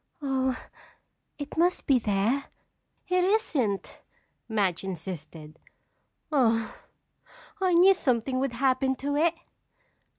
"Oh, it must be there." "It isn't," Madge insisted. "Oh, I knew something would happen to it!"